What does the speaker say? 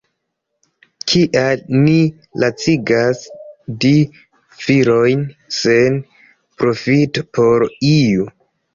Kial ni lacigas du virojn sen profito por iu?